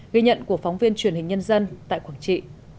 ghi nhận của phóng viên truyền hình nhân dân tại quảng trị